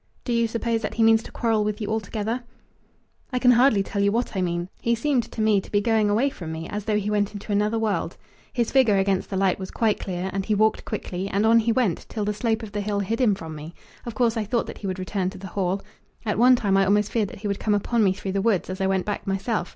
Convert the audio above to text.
"Do you suppose that he means to quarrel with you altogether?" "I can hardly tell you what I mean! He seemed to me to be going away from me, as though he went into another world. His figure against the light was quite clear, and he walked quickly, and on he went, till the slope of the hill hid him from me. Of course, I thought that he would return to the Hall. At one time I almost feared that he would come upon me through the woods, as I went back myself.